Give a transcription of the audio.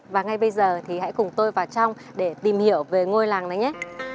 và ngay bây giờ thì hãy cùng tôi vào trong để tìm hiểu về ngôi làng này nhé